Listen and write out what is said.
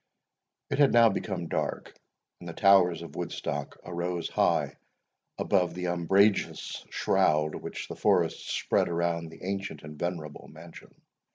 It had now become dark, and the towers of Woodstock arose high above the umbrageous shroud which the forest spread around the ancient and venerable mansion.